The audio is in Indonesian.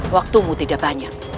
waktumu tidak banyak